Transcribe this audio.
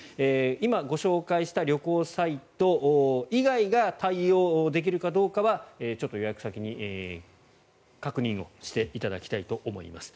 今、ご紹介した旅行サイト以外が対応できるかどうかはちょっと予約先に確認をしていただきたいと思います。